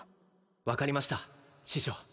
分かりました師匠